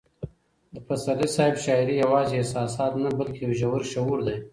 د پسرلي صاحب شاعري یوازې احساسات نه بلکې یو ژور شعور دی.